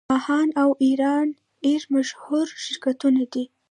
ماهان او ایران ایر مشهور شرکتونه دي.